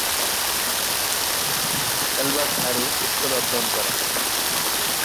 Albert harrow স্কুলে অধ্যয়ন করেন।